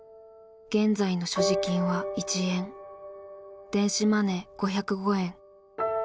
「現在の所持金は１円電子マネー５０５円」。